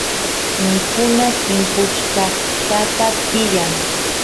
mikuna timpuchkaqllata tiyan